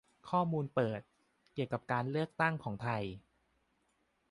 ข้อมูลเปิด เกี่ยวกับการเลือกตั้งของไทย